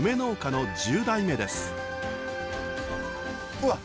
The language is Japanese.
うわっ！